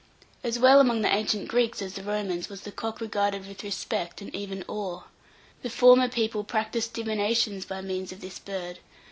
As well among the ancient Greeks as the Romans, was the cock regarded with respect, and even awe. The former people practised divinations by means of this bird.